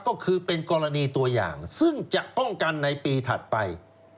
ก็คือเป็นกรณีตัวอย่างซึ่งจะป้องกันในปีถัดไป